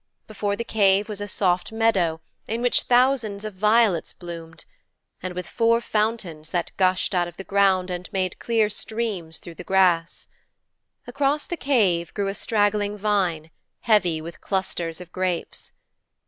Before the cave was a soft meadow in which thousands of violets bloomed, and with four fountains that gushed out of the ground and made clear streams through the grass. Across the cave grew a straggling vine, heavy with clusters of grapes.